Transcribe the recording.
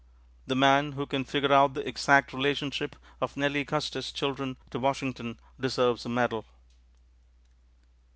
The man who can figure out the exact relationship of Nellie Custis' children to Washington deserves a medal.